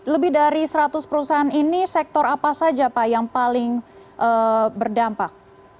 lebih dari seratus perusahaan ini sektor apa saja pak yang paling berdampak